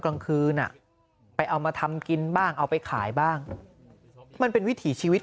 กลางคืนอ่ะไปเอามาทำกินบ้างเอาไปขายบ้างมันเป็นวิถีชีวิต